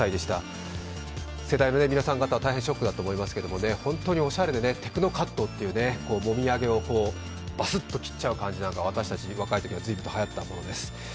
世代の皆さん方は大変ショックだと思いますけれども、本当におしゃれでテクノカットという、もみあげをバスッと切っちゃう感じなんか、私たち、若いときは随分とはやったものです。